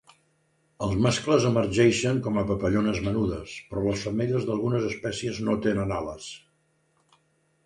Els mascles emergeixen com a papallones menudes, però les femelles d'algunes espècies no tenen ales.